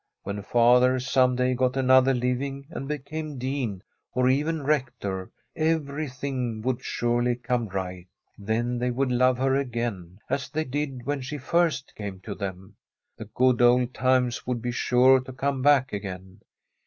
When father some day got another living, and became Dean, or even Rector, everything would surely come right. Then they would love her again, as they did when she first came to them. The good old times would be sure to come back again.